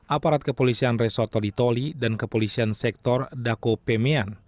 aparat kepolisian resort tolitoli dan kepolisian sektor daco pemean